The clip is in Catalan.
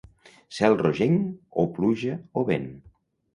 Cel rogent, o pluja o vent.